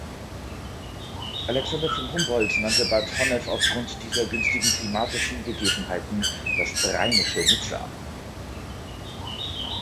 Alexander von Humboldt nannte Bad Honnef aufgrund dieser günstigen klimatischen Gegebenheiten das „rheinische Nizza“.